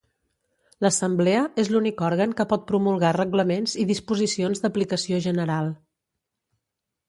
L'assemblea és l'únic òrgan que pot promulgar reglaments i disposicions d'aplicació general.